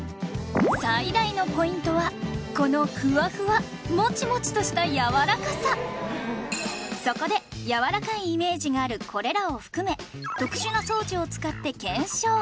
最大のポイントはこのそこでやわらかいイメージがあるこれらを含め特殊な装置を使って検証